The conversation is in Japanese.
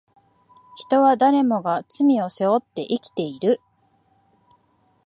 人は誰もが罪を背負って生きている